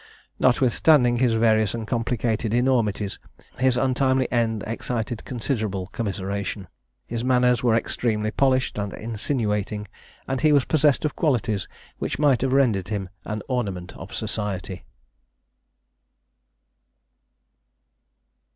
Notwithstanding his various and complicated enormities, his untimely end excited considerable commiseration. His manners were extremely polished and insinuating, and he was possessed of qualities which might have rendered him an ornament of society.